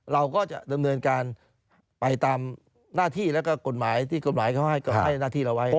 เราก็จะดำเนินการไปตามหน้าที่แล้วก็กฎหมายที่กฎหมายเขาให้หน้าที่เราไว้